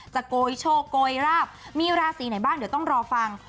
โกยโชคโกยราบมีราศีไหนบ้างเดี๋ยวต้องรอฟัง